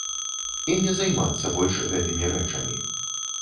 І не займацца больш гэтымі рэчамі.